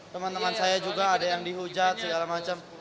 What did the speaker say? teman teman saya juga ada yang dihujat segala macam